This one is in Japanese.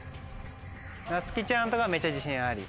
なつきちゃんとかめちゃ自信あり。